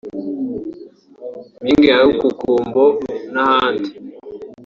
Mpinga ya Rukukumbo n’ahandi